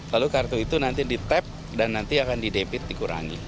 lalu kartu itu nanti di tap dan nanti akan di debit dikurangi